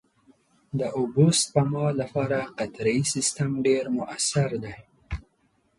د اوبو سپما لپاره قطرهيي سیستم ډېر مؤثر دی.